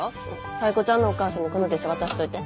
タイ子ちゃんのお母さんにこの月謝渡しといて。